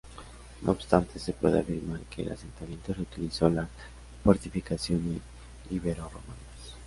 No obstante, se puede afirmar que el asentamiento reutilizó las fortificaciones ibero-romanas.